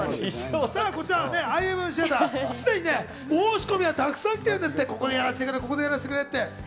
こちらはＩＭＭＴＨＥＡＴＥＲ、既に申し込みがたくさん来ているんですって、ここでやらせてくれって。